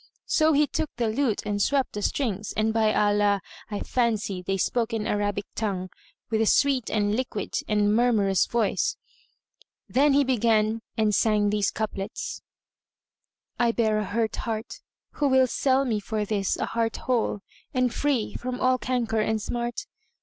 So he took the lute and swept the strings, and by Allah, I fancied they spoke in Arabic tongue, with a sweet and liquid and murmurous voice; then he began and sang these couplets:— I bear a hurt heart, who will sell me for this * A heart whole and free from all canker and smart?